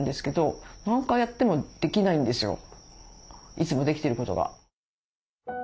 いつもできてることが。